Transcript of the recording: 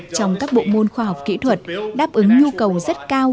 trong các bộ môn khoa học kỹ thuật đáp ứng nhu cầu rất cao